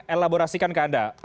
elaborasikan ke anda